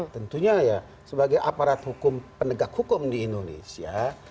tentunya ya sebagai aparat hukum penegak hukum di indonesia